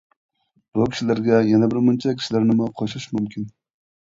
بۇ كىشىلەرگە يەنە بىرمۇنچە كىشىلەرنىمۇ قوشۇش مۇمكىن.